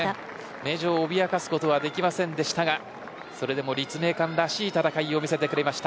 名城を脅かすことはできませんでしたが立命館らしい走りを見せてくれました。